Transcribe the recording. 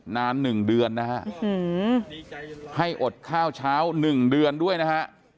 นาน๑เดือนนะฮะให้อดข้าวเช้า๑เดือนด้วยนะฮะ